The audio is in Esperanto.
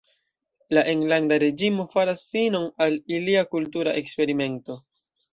La enlanda reĝimo faras finon al ilia kultura eksperimento.